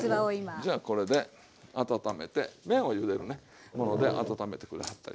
じゃあこれで温めて麺をゆでるねもので温めてくれはったら。